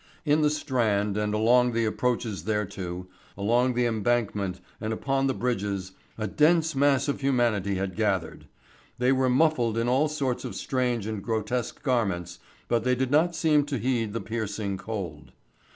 In the Strand and along the approaches thereto, along the Embankment and upon the bridges, a dense mass of humanity had gathered. They were muffled in all sorts of strange and grotesque garments, but they did not seem to heed the piercing cold.